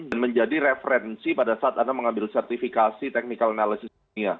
dan menjadi referensi pada saat anda mengambil sertifikasi technical analysis